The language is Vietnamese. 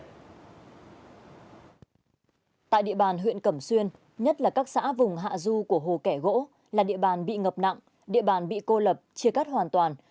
tại địa bàn huyện cẩm xuyên nhất là các xã vùng hạ du của hồ kẻ gỗ là địa bàn bị ngập nặng địa bàn bị cô lập chia cắt hoàn toàn